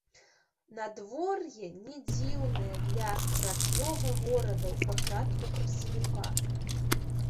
Надвор'е не дзіўнае для рачнога горада ў пачатку красавіка.